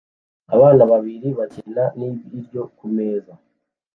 abana babiri bakina nibiryo kumeza